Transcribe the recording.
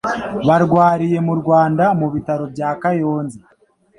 barwariye mu Rwanda mu bitaro bya kayonza